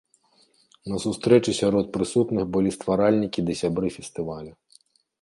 На сустрэчы сярод прысутных былі стваральнікі ды сябры фестывалю.